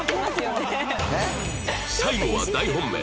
最後は大本命！